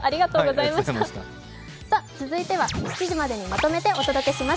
続いては７時までにまとめてお届けします